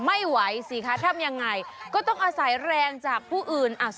ไม่ไหวสิคะทำยังไงก็ต้องอาศัยแรงจากผู้อื่น